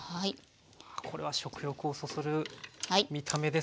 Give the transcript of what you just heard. これは食欲をそそる見た目ですね。